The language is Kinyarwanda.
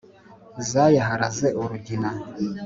Zayaharaze urugina